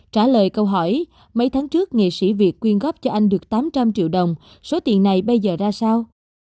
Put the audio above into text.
trả lời câu hỏi mấy tháng trước nghệ sĩ việt quyên góp cho anh được tám trăm linh triệu đồng số tiền này bây giờ ra sao